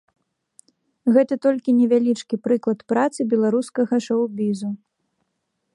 Гэта толькі невялічкі прыклад працы беларускага шоў-бізу.